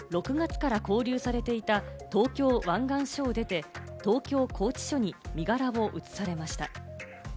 ガーシー被告はきのう６月から勾留されていた東京湾岸署を出て、東京拘置所に身柄を移されました。